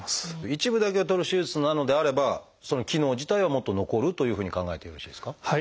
一部だけをとる手術なのであればその機能自体はもっと残るというふうに考えてよろしいですか？